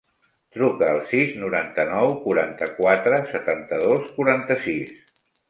Truca al sis, noranta-nou, quaranta-quatre, setanta-dos, quaranta-sis.